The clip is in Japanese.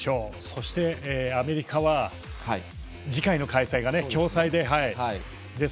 そして、アメリカは次回の開催が共催で。